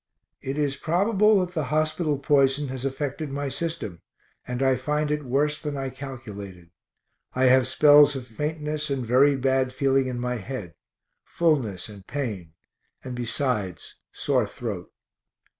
It is probable that the hospital poison has affected my system, and I find it worse than I calculated. I have spells of faintness and very bad feeling in my head, fullness and pain and besides sore throat.